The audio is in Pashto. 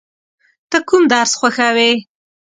ته کوم درس خوښوې؟